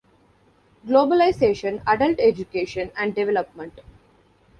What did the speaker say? Globalization, Adult Education, and Development.